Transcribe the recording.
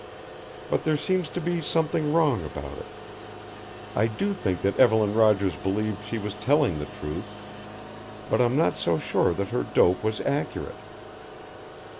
But there seems to be something wrong about it. I do think that Evelyn Rogers believed she was telling the truth but I'm not so sure that her dope was accurate.